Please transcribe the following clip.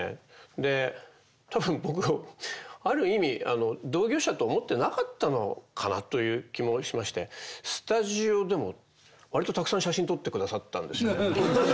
でたぶん僕ある意味同業者と思ってなかったのかなという気もしましてスタジオでも割とたくさん写真撮ってくださったんですね。